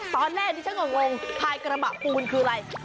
ตอนแรกที่ฉันก็งงภายกระบะปูนคืออะไร